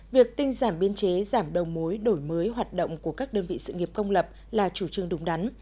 việc tinh giảm biên chế giảm đầu mối đổi mới hoạt động của các đơn vị sự nghiệp công lập là chủ trương đúng đắn